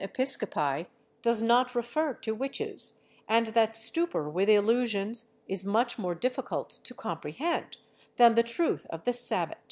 Episcopi does not refer to witches, and that stupor with illusions is much more difficult to comprehend than the truth of the Sabbat.